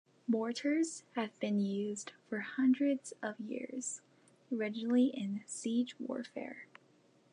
Mortars have been used for hundreds of years, originally in siege warfare.